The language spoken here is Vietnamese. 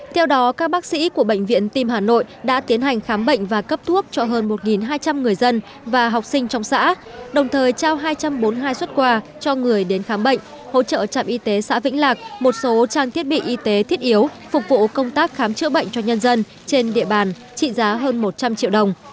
theo đó các bác sĩ của bệnh viện tim hà nội đã tiến hành khám bệnh và cấp thuốc cho hơn một hai trăm linh người dân và học sinh trong xã đồng thời trao hai trăm bốn mươi hai xuất quà cho người đến khám bệnh hỗ trợ trạm y tế xã vĩnh lạc một số trang thiết bị y tế thiết yếu phục vụ công tác khám chữa bệnh cho nhân dân trên địa bàn trị giá hơn một trăm linh triệu đồng